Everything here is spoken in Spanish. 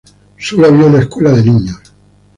Solo había una escuela de niños.